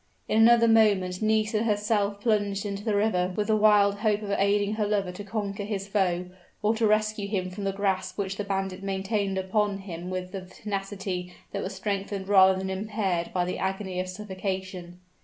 In another moment Nisida herself plunged into the river with the wild hope of aiding her lover to conquer his foe, or to rescue him from the grasp which the bandit maintained upon him with the tenacity that was strengthened rather than impaired by the agony of suffocation.